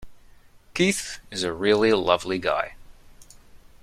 Keith is a really lovely guy.